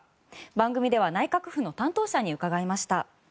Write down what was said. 番組では内閣府の担当者に伺いました。